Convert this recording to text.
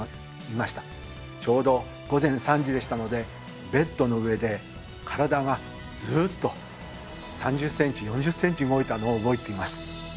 ちょうど午前３時でしたのでベッドの上で体がずっと３０センチ４０センチ動いたのを覚えています。